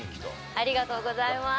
ありがとうございます。